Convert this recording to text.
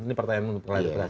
ini pertanyaan untuk pak lajak